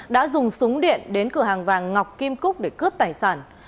đã dùng súng điện đến cửa hàng vàng ngọc kim cúc để cướp tài sản